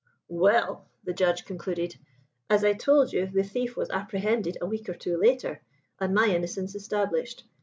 '" "Well," the Judge concluded, "as I told you, the thief was apprehended a week or two later, and my innocence established.